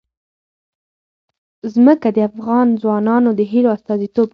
ځمکه د افغان ځوانانو د هیلو استازیتوب کوي.